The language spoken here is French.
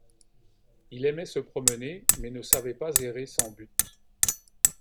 Il aimait se promener, mais ne savait pas errer sans but.